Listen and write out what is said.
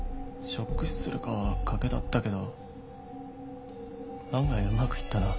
ショック死するかは賭けだったけど案外うまくいったな。